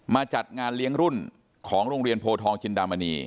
จัดงานเลี้ยงรุ่นของโรงเรียนโพทองจินดามณี